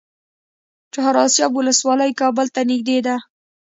چهار اسیاب ولسوالۍ کابل ته نږدې ده؟